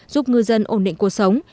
giúp ngư dân ổn định cuộc sống